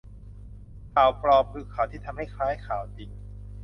ข่าวปลอมคือข่าวที่ทำให้คล้ายข่าวจริง